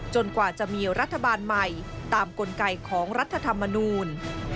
กว่าจะมีรัฐบาลใหม่ตามกลไกของรัฐธรรมนูล